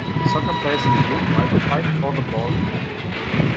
Soccer players in blue and white fight for the ball in midair.